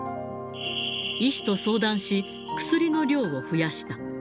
医師と相談し、薬の量を増やした。